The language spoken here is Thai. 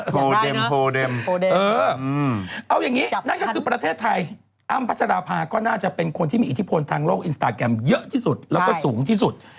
เอาอย่างนี้นั่นก็คือประเทศไทยอ้ำพัชราภาก็น่าจะเป็นคนที่มีอิทธิพลทางโลกอินสตาแกรมเยอะที่สุดแล้วก็สูงที่สุด